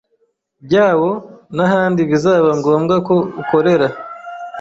byawo n ahandi bizaba ngombwa ko ukorera